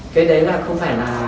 cái đấy là không phải là